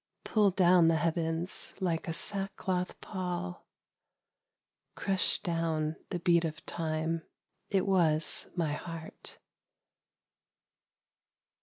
Pull down the heavens like a sackcloth pall — Crush down the beat of Time. It was my heart.